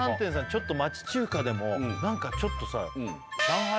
ちょっと町中華でも何かちょっとさ上海